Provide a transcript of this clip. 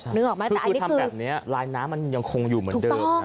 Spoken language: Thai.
คุณทำแบบนี้ลายน้ำมันยังคงอยู่เหมือนเดิม